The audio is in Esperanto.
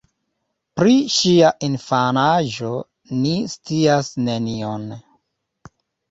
Pri ŝia infanaĝo ni scias nenion.